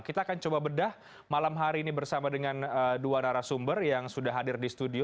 kita akan coba bedah malam hari ini bersama dengan dua narasumber yang sudah hadir di studio